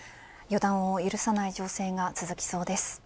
予断を許さない情勢が続きそうです。